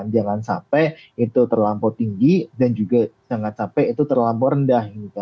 jangan sampai itu terlampau tinggi dan juga sangat capek itu terlampau rendah